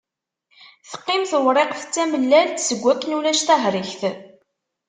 Teqqim tewriqt d tamellalt, seg akken ulac tahregt.